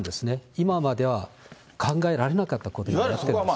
今までは考えられなかったことなんです。